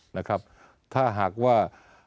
นะครับถ้าหากว่า